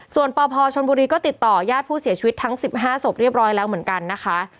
ส่วนปพชนบุรีก็ติดต่อยาดผู้เสียชีวิตทั้ง๑๕ศพเรียบร้อยแล้วเหมือนกันนะคะ